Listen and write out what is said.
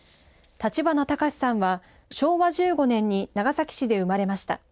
立花隆さんは昭和１５年に長崎市で生まれました。